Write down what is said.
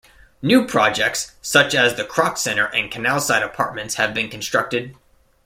New projects, such as the Kroc Center and Canalside Apartments have been constructed.